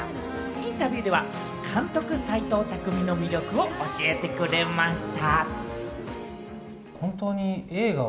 インタビューでは監督・齊藤工の魅力を教えてくれました。